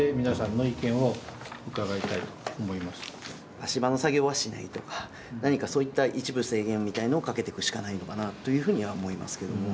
足場の作業はしないとか何かそういった一部制限みたいなのをかけていくしかないのかなというふうには思いますけども。